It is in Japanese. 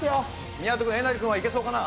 宮戸君えなり君はいけそうかな？